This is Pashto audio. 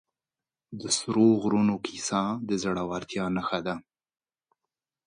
د سرو غرونو کیسه د زړورتیا نښه ده.